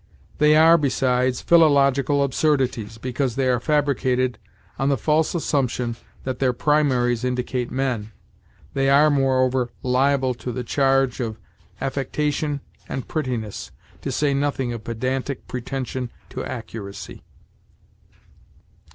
They are, besides, philological absurdities, because they are fabricated on the false assumption that their primaries indicate men. They are, moreover, liable to the charge of affectation and prettiness, to say nothing of pedantic pretension to accuracy.